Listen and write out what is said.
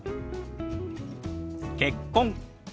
「結婚」。